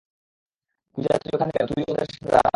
পূজা তুই ওখানে কেন, তুইও ওদের সাথে দাঁড়া।